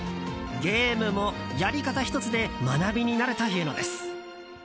ゲームも、やり方１つで学びになるというのです。